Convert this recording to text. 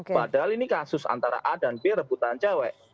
padahal ini kasus antara a dan b rebutan cewek